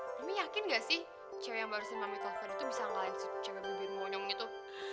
emang ia yakin nggak sih cewek yang memang baru mami telpon itu bisa ngelain si cewek mimpin monyongnya itu